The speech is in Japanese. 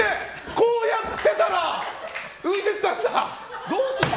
こうやってたら浮いてったんだ？